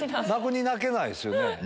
泣くに泣けないですよね。